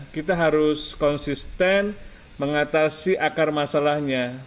kita harus konsisten mengatasi akar masalahnya